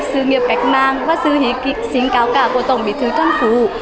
sự nghiệp cách mang và sự hí kị xin cao cả của cố tổng bí thư trần phú